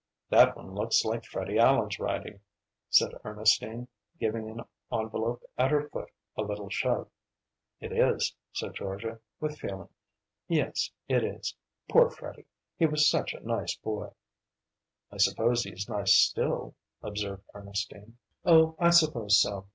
"That one looks like Freddie Allen's writing," said Ernestine, giving an envelope at her foot a little shove. "It is," said Georgia, with feeling; "yes it is. Poor Freddie he was such a nice boy." "I suppose he's nice still," observed Ernestine. "Oh, I suppose so.